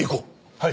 はい。